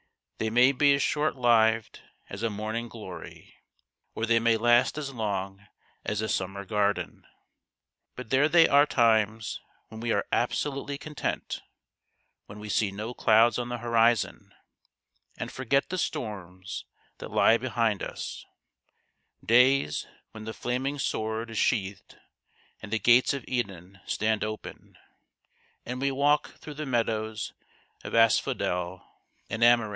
They may be as short lived as a morning glory, or they may last as long as a summer garden, but there they are times when we are absolutely content when we see no clouds on the horizon and forget the storms that lie behind us days when the flaming sword is sheathed and the Gates of Eden stand open, and we walk through the meadows of asphodel and ama MES.